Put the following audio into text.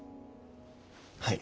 はい。